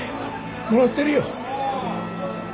もらってるよ。